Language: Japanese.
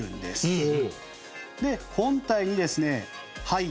へえ。